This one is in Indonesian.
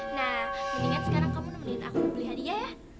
nah mendingan sekarang kamu menitip aku beli hadiah ya